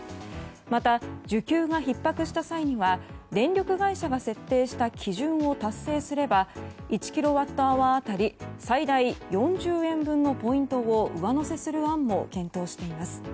また、需給がひっ迫した際には電力会社が設定した基準を達成すれば１キロワットアワー当たり最大４０円分のポイントを上乗せする案も検討しています。